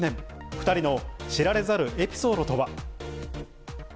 ２人の知られざるエピソードとは。